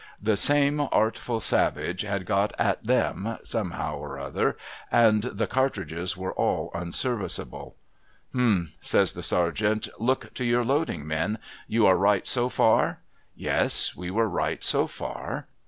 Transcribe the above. The same artful savage had got at them, somehow or another, and the cartridges were all unserviceable. ' Hum !' says the Sergeant. ♦ Look to your loading, men. You arc right so far ?' Yes ; we were right so far.